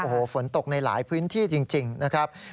โอ้โหฝนตกในหลายพื้นที่จริงนะครับ